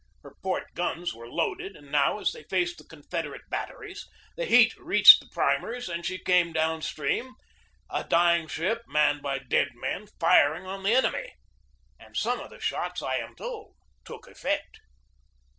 Her port guns were loaded, and now, as they faced the Confederate batteries, the heat reached the primers and she came down stream, a dying ship manned by dead men, firing on the enemy; and some of the shots, I am told, took effect.